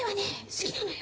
好きなのよ。